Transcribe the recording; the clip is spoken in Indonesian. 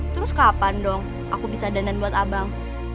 terus kapan dong aku bisa dandan buat abang